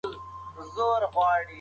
د کور کرایه نه ورکوئ.